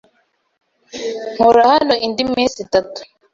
Nkora hano indi minsi itatu.